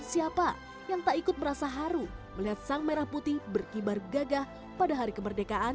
dan siapa yang tak ikut merasa haru melihat sang merah putih berkibar gagah pada hari kemerdekaan